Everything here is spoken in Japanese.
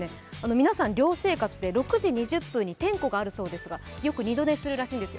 皆さん寮生活で６時２０分に点呼があるそうですがよく二度寝するそうです。